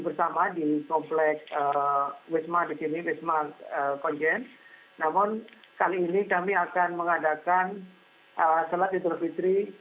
kepada penyelenggaraan beberapa orang diperlukan untuk berbelanja untuk persiapan perayaan idul fitri